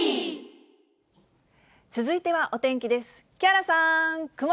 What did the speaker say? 続いてはお天気です。